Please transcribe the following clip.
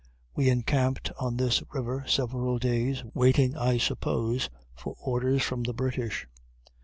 We encamped on this river several days; waiting, I suppose, for orders from the British.